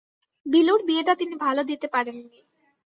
বিলুর বিয়েটা তিনি ভালো দিতে পারেন নি।